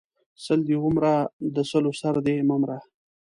سل دې و مره، د سلو سر دې مه مره!